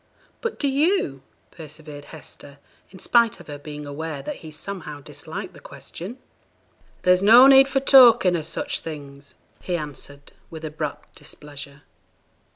'But do you?' persevered Hester, in spite of her being aware that he somehow disliked the question. 'There's no need for talking o' such things,' he answered, with abrupt displeasure.